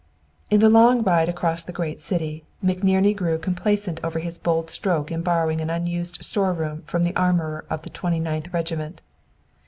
In the long ride across the great city, McNerney grew complacent over his bold stroke in borrowing an unused store room from the armorer of the Twenty ninth Regiment.